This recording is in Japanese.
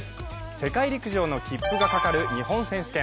世界陸上の切符がかかる日本選手権。